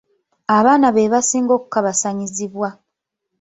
Abaana be basinga okukabassanyizibwa.